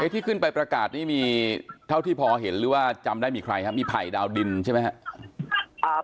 ที่ขึ้นไปประกาศนี่มีเท่าที่พอเห็นหรือว่าจำได้มีใครครับมีไผ่ดาวดินใช่ไหมครับ